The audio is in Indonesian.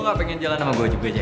lo gak pengen jalan sama gue juga ya